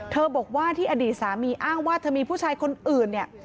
บอกว่าที่อดีตสามีอ้างว่าเธอมีผู้ชายคนอื่นเนี่ย